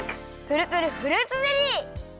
プルプルフルーツゼリー！